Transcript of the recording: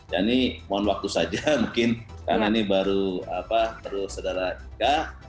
jadi mohon waktu saja mungkin karena ini baru terus sederhana